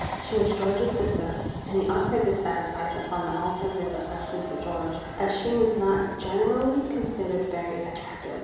She was George's sister, and he offered this sacrifice upon the altar of his affection for George, as she was not generally considered very attractive.